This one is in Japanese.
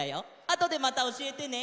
あとでまたおしえてね。